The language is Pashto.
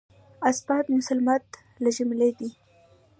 اثبات مسلمات له جملې دی.